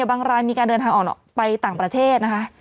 บางรายมีการเดินทางออกไปต่างประเทศนะคะ